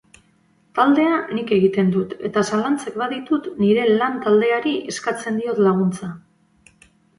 Taldea nik egiten dut eta zalantzak baditut nire lan taldeari eskatzen diot laguntza.